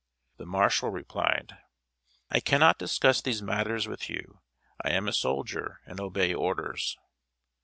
The marshal replied: "I cannot discuss these matters with you. I am a soldier, and obey orders."